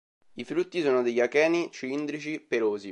I frutti sono degli acheni cilindrici pelosi.